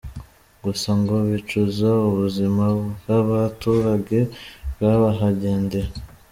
Gusa ngo bicuza ubuzima bw’abaturage bwahagendeye.